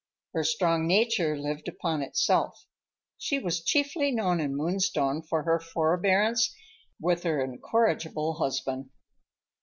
Her strong nature lived upon itself. She was chiefly known in Moonstone for her forbearance with her incorrigible husband.